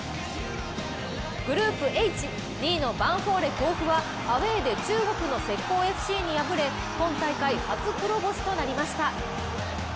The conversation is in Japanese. グループＨ、２位のヴァンフォーレ甲府はアウェーで中国の浙江ＦＣに破れ今大会初黒星となりました。